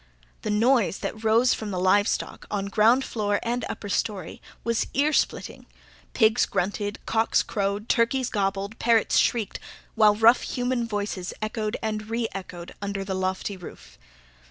The noise that rose from the livestock, on ground floor and upper storey, was ear splitting: pigs grunted; cocks crowed, turkeys gobbled, parrots shrieked; while rough human voices echoed and re echoed under the lofty roof.